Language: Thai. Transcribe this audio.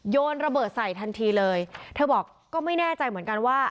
โยนระเบิดใส่ทันทีเลยเธอบอกก็ไม่แน่ใจเหมือนกันว่า